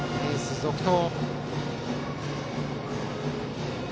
エース続投。